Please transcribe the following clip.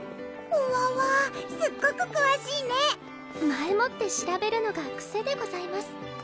ほわわすっごくくわしいね前もって調べるのが癖でございます